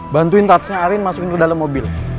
bantuin touchnya arin masukin ke dalam mobil